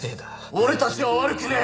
俺たちは悪くねぇ！